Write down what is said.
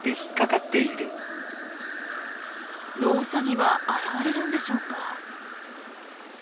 ノウサギは現れるんでしょうか。